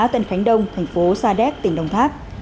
tân khánh đông thành phố sa đéc tỉnh đồng tháp